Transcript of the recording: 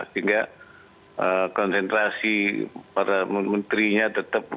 sehingga konsentrasi para menterinya tetap